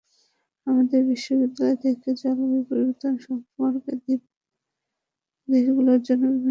আমাদের বিশ্ববিদ্যালয় থেকে জলবায়ু পরিবর্তন সম্পর্কে দ্বীপদেশগুলোর জন্য বিভিন্ন তথ্য দেওয়া হয়।